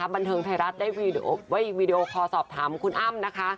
บันเทิงไทยรัฐได้วีดีโอคอลสอบถามคุณอ้ำนะคะ